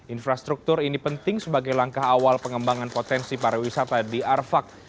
infrastruktur ini penting sebagai langkah awal pengembangan potensi pariwisata di arfak